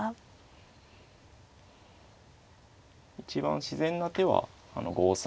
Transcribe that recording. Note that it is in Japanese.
一番自然な手はあの５三